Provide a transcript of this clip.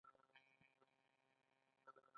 آزاد تجارت مهم دی ځکه چې فقر مخنیوی کوي.